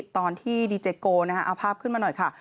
ตอนที่ดีเจโกเอาภาพขึ้นมาหน่อยค่ะ